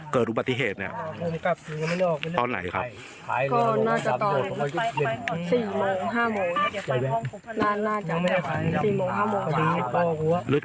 เกิดอุบัติเหตุเนี่ยตอนไหนครับก็น่าจะตอนสี่โมงห้าโมงน่าจะน่าจะสี่โมงห้าโมง